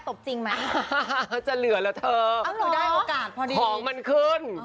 บจริงไหมจะเหลือเหรอเธอหนูได้โอกาสพอดีของมันขึ้น